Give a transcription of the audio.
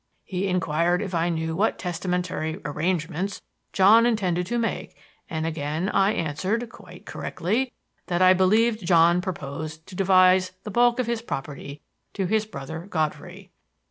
He inquired if I knew what testamentary arrangements John intended to make, and again I answered, quite correctly, that I believed John proposed to devise the bulk of his property to his brother, Godfrey.